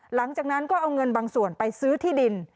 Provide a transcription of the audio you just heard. หลังจากนั้นก็เอาเงินบางส่วนไปซื้อที่ดิน